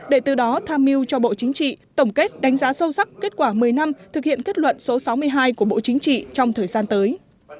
để từ đó tham mưu cho bộ chính trị tổng kết đánh giá sâu sắc kết quả một mươi năm thực hiện kết luận số sáu mươi hai của bộ chính trị trong thời gian tới